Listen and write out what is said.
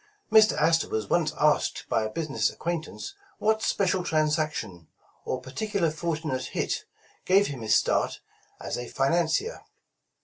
Mr. Astor was once asked by a business acquaintance what special transaction, or particularly fortunate hit, gave him his start as a financier.